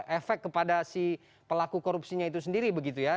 efek kepada si pelaku korupsinya itu sendiri begitu ya